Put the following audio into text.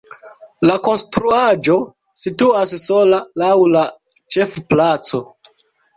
La konstruaĵo situas sola laŭ la ĉefplaco.